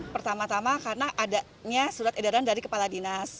pertama tama karena adanya surat edaran dari kepala dinas